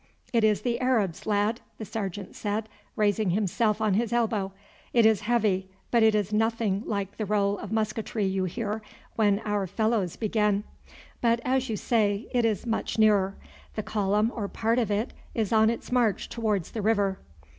"It is the Arabs, lad," the sergeant said, raising himself on his elbow. "It is heavy, but it is nothing like the roll of musketry you hear when our fellows begin. But, as you say, it is much nearer; the column, or part of it, is on its march towards the river."